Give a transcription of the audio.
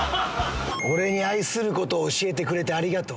俺に愛する事を教えてくれてありがとう。